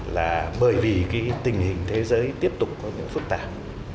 là bởi vì cái tình hình thế giới tiếp tục có những phức tạp